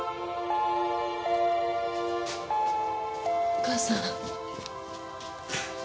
お母さん。